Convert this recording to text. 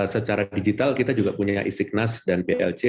secara digital kita juga punya e signals dan plc